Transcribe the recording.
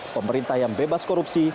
pemerintah yang bebas korupsi